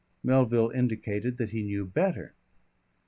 Melville indicated that he knew better.